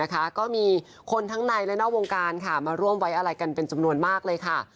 ก็มีคนทั้งในและนอกวงการมาร่วมไว้อะไรกันเป็นจำนวนมากเลยค่ะ